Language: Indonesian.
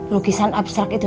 lukisan abstrak itu